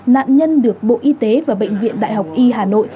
nạn nhân được bộ y tế và bệnh viện đại học y hà nội